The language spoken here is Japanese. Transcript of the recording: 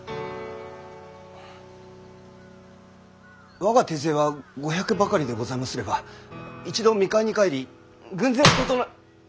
我が手勢は５００ばかりでございますれば一度三河に帰り軍勢を整え。